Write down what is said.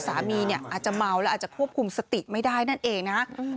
สามีเนี่ยอาจจะเมาแล้วอาจจะควบคุมสติไม่ได้นั่นเองนะ